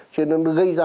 cho nên nó gây ra